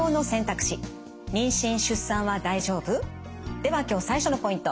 では今日最初のポイント。